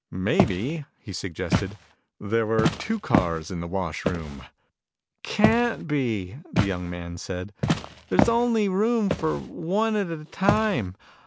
"Maybe," he suggested, "there were two cars in the wash room." "Can't be," the young man said. "There's only room for one at a time.